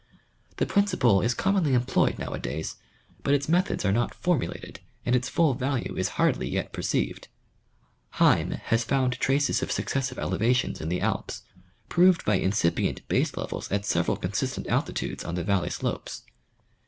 The principle is com^ monly employed nowadays, but its methods are not formulated, and its full value is hardly yet perceived. Heim has found traces of successive elevations in the Alps, proved by incipient base levels at several consistent altitudes on the valley slopes.